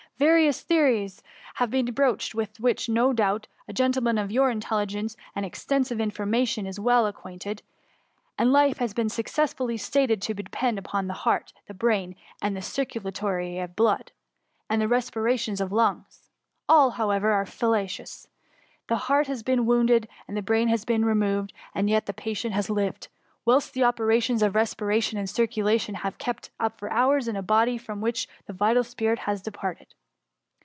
Various theories have been broached, with which, no doubt, a gentleman of your intelli gence and extensive information is well ac quainted ;— ^and life has been successively stated to depend upon the heart, the brain, the circu THE MUMMY. S41 lation of the blcx>d, and the respiration of the lungs. All, however, are fallacious ; the heart has been wounded, and the brain has been removed, and yet the patient has lived, whilst the operations of respiration and circulation have been kept up for hours, in a body from which the vital spirit had departed.